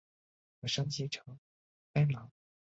可升级成奔狼。